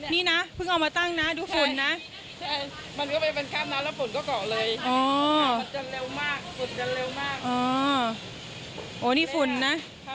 นี่นะเพิ่งเอามาตั้งนะดูฝุ่นนะ